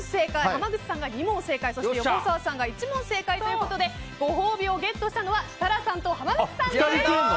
濱口さんが２問正解横澤さんが１問正解ということでご褒美をゲットしたのは設楽さんと濱口さんです。